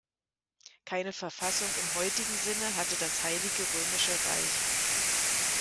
Keine Verfassung im heutigen Sinne hatte das Heilige Römische Reich.